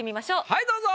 はいどうぞ！